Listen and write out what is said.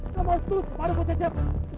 kamu harus turun kepaduku cecep